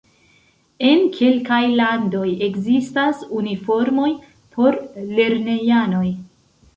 En kelkaj landoj ekzistas uniformoj por lernejanoj.